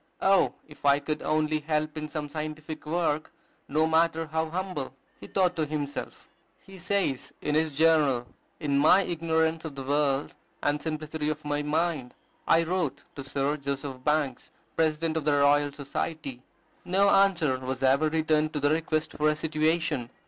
"Oh, if I could only help in some scientific work, no matter how humble!" he thought to himself. He says in his journal, "In my ignorance of the world, and simplicity of my mind, I wrote to Sir Joseph Banks, President of the Royal Society." No answer was ever returned to the request for a situation.